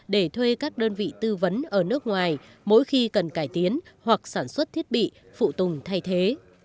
để thuê các đơn vị tư vấn ở nước ngoài mỗi khi cần cải tiến hoặc sản xuất thiết bị phụ tùng thay thế